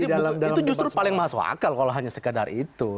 itu justru paling masuk akal kalau hanya sekadar itu